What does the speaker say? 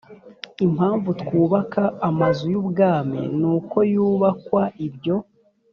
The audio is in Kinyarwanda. impamvu twubaka amazu y ubwami n uko yubakwa ibyo